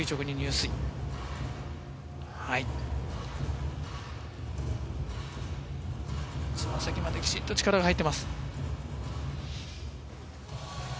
つま先まできちっと力が入っています。